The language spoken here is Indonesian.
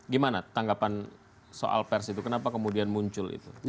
gimana tanggapan soal pers itu kenapa kemudian muncul itu